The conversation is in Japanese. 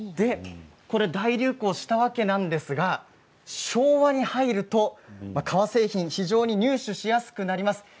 大流行したわけなんですが昭和に入ると革製品が入手しやすくなります。